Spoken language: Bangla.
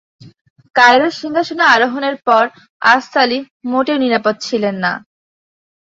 কায়রোর সিংহাসনে আরোহণের পর, "আস-সালিহ" মোটেও নিরাপদ ছিলেন না।